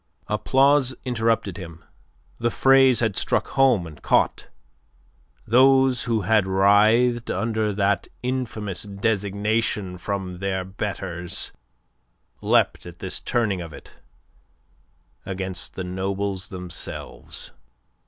Applause interrupted him. The phrase had struck home and caught. Those who had writhed under that infamous designation from their betters leapt at this turning of it against the nobles themselves.